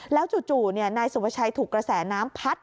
แล้วจู่นายสุภาชัยถูกกระแสน้ำพัด